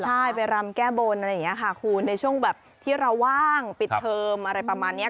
ใช่ไปรำแก้บนอะไรอย่างนี้ค่ะคุณในช่วงแบบที่เราว่างปิดเทอมอะไรประมาณนี้